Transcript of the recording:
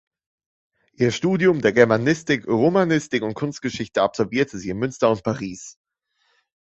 Ihr Studium der Germanistik, Romanistik und Kunstgeschichte absolvierte sie in Münster und Paris.